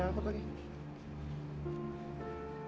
nggak gue dulu glenn